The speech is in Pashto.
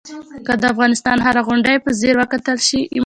که د افغانستان هره غونډۍ په ځیر وکتل شي.